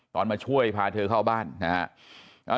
ตอนมาช่วยพาเธอเข้าบ้านนะฮะ